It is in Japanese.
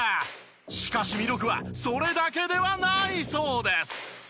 しかし魅力はそれだけではないそうです。